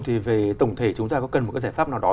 thì về tổng thể chúng ta có cần một cái giải pháp nào đó